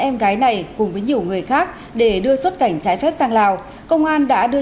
em gái này cùng với nhiều người khác để đưa xuất cảnh trái phép sang lào công an đã đưa